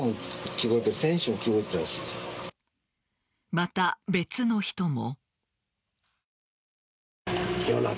また別の人も。